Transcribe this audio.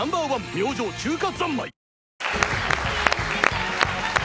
明星「中華三昧」